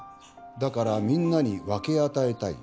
「だからみんなに分け与えたい」